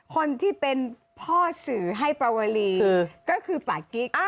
คนที่เป็นพ่อสื่อให้ปาหวลีก็คือปาหวลี